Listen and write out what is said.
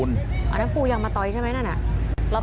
วันนั้นมันยังมาไปเเค๊ยใช่ไหม